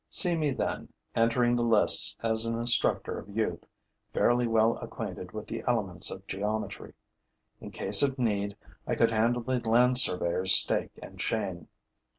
See me then entering the lists as an instructor of youth, fairly well acquainted with the elements of geometry. In case of need, I could handle the land surveyor's stake and chain.